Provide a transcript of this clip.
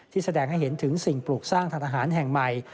แสดงให้เห็นถึงสิ่งปลูกสร้างทันทหารแห่งใหม่